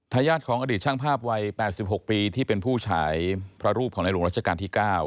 ญาติของอดีตช่างภาพวัย๘๖ปีที่เป็นผู้ฉายพระรูปของในหลวงรัชกาลที่๙